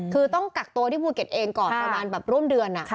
คือต้องกักตัวที่ภูเก็ตเองก่อนประมาณแบบร่วมเดือน